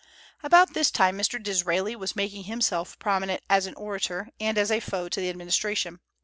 About this time Mr. Disraeli was making himself prominent as an orator, and as a foe to the administration.